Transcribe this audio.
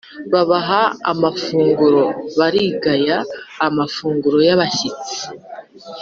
babaha amafunguro, bari ngaya amafunguro y’abashyitsi.